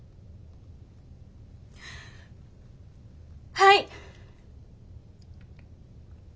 はい！